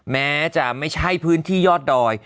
แม้จะไม่ใช่พื้นที่ยอดดอย